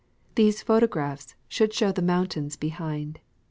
These photogra])hs should show the mountains behind.